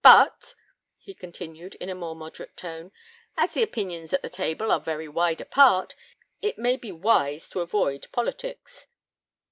But," he continued, in a more moderate tone, "as the opinions at the table are very wide apart, it may be wise to avoid politics."